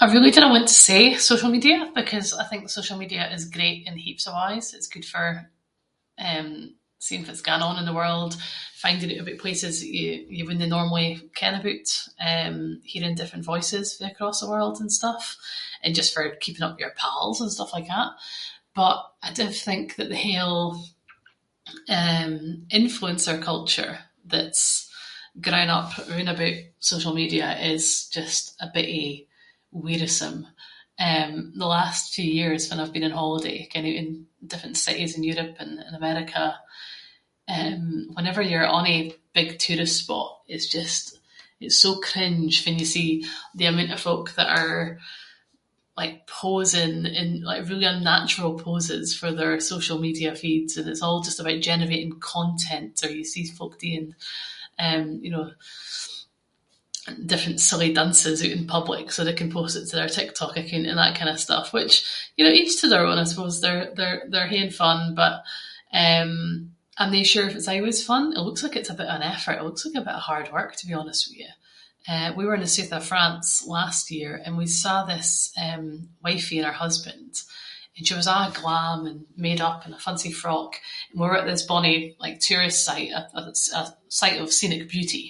I really dinna want to say social media, because I think social media is great in heaps of ways. It’s good for, eh, seeing fitt’s going on in the world, finding oot aboot places that you- you wouldnae normally ken aboot, eh hearing different voices fae across the world and stuff, and just for keeping up with your pals and stuff like that. But, I div think that the whole, eh, influencer culture that’s grown up roond aboot social media is just a bittie wearisome. Eh the last few years fann I’ve been on holiday, ken oot in different cities in Europe and in America, eh whenever you’re in ony big tourist spot it’s just- it’s so cringe fann you see the amount of folk that are like posing in like really unnatural poses for their social media feeds. And it’s all just about generating content, so you see folk doing, eh, you know, different silly dances oot in public so they can post it to their TikTok account and that kind of stuff. Which you know each to their own I suppose, they’re- they’re haeing fun, but eh I’m no sure if it’s aieways fun. It looks like it’s a bit of an effort. It looks like hard work to be honest with you. Eh we were in the sooth of France last year, and we saw this eh wifey and her husband, and she was a’ glam and made up in a fancy frock, and we were at this bonnie tourist site- [inc] a site of scenic beauty,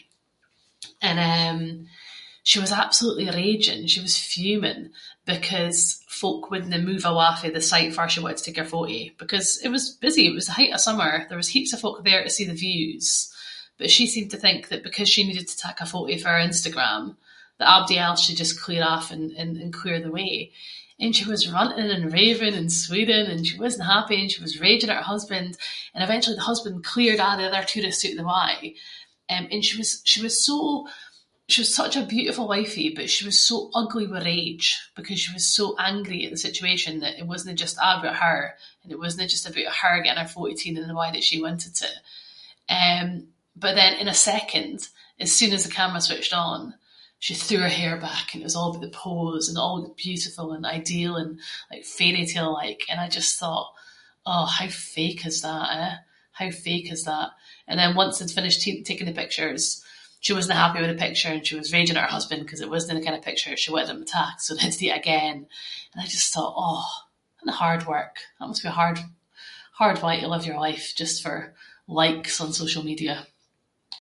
and eh she was absolutely raging, she was fuming because folk wouldnae move awa fae the site farr she wanted to take her photo, because it was busy, it was the height of summer, there was heaps of folk there to see the views, but she seemed to think that because she needed to tak a photo for Instagram that abody else should just clear off and- and- and clear the way. And she was ranting and raving and swearing, and she wasnae happy, and she was raging at her husband. And eventually the husband cleared a’ the other tourists oot of the way, eh and she was- she was so- she was such a beautiful wifey, but she was so ugly with rage, because she was so angry at the situation that it wasnae just a' aboot her, and it wasnae just aboot her getting her photo taken in the way that she wanted to. Eh, but then in a second, as soon as the camera switched on, she threw her hair back and it was a’ aboot the pose, and a’ of the beautiful and ideal and fairytale-like , and I just thought “Oh how fake is that eh? How fake is that?” And then once they’d finished taking the picture it was- she wasnae happy with the picture and she was raging at her husband ‘cause it wasnae the kind of picture that she wanted him to tak, so they had to do it again. And I just thought “Oh what hard work”. Must be a hard- a hard way to live your life, just for likes on social media.